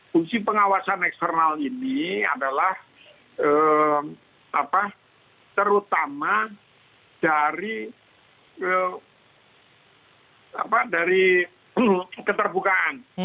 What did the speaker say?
fungsi pengawasan eksternal ini adalah terutama dari keterbukaan